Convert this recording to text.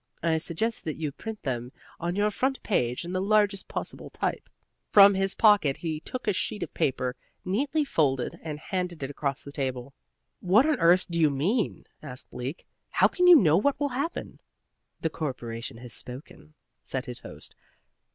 I suggest that you print them on your front page in the largest possible type." From his pocket he took a sheet of paper, neatly folded, and handed it across the table. "What on earth do you mean?" asked Bleak. "How can you know what will happen?" "The Corporation has spoken," said his host.